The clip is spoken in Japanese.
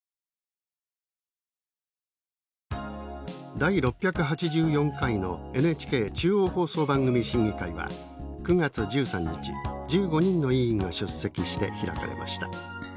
第６８４回のＮＨＫ中央放送番組審議会は９月１３日１５人の委員が出席して開かれました。